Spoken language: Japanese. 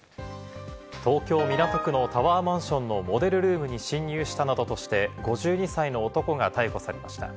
東京・港区のタワーマンションのモデルルームに侵入したなどとして５２歳の男が逮捕されました。